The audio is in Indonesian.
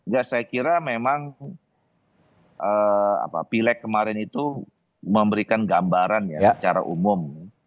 ya saya kira memang pileg kemarin itu memberikan gambaran ya secara umum